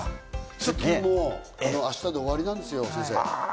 『スッキリ』も明日で終わりなんですよ、先生。